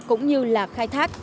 cũng như là khai thác